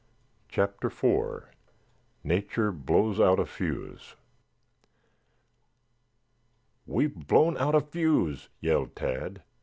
CHAPTER IV NATURE BLOWS OUT A FUSE "We've blown out a fuse!" yelled Tad.